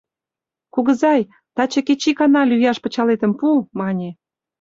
— Кугызай, таче кеч икана лӱяш пычалетым пу, — мане.